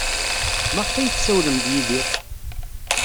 Maɣef ay tessawlem ed Yidir?